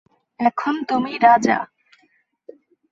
এখন তুমি রাজা!